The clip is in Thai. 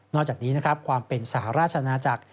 นอกจากนี้ความเป็นสหราชอาณาจักร